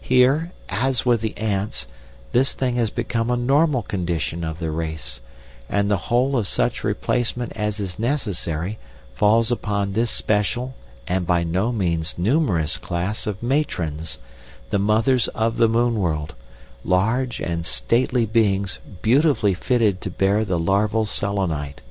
Here, as with the ants, this thing has become a normal condition of the race, and the whole of such replacement as is necessary falls upon this special and by no means numerous class of matrons, the mothers of the moon world, large and stately beings beautifully fitted to bear the larval Selenite.